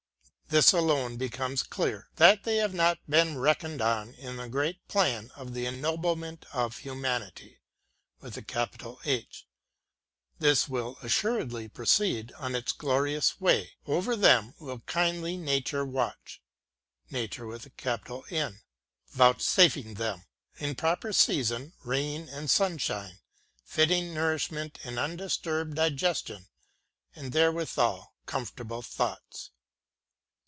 This alone becomes clear, that they have not been reckoned on in the great plan for the ennoblement of Humanity. This will assuredly proceed on its glorious way; — over them will kindly Nature watch, vouchsafing them, in proper season, rain and sunshine, fitting nourishment and undisturbed di gestion, and therewithal comfortable thoughts.